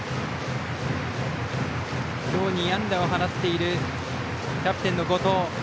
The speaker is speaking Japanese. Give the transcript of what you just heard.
今日２安打を放っているキャプテンの後藤。